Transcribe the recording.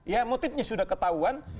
ya motifnya sudah ketahuan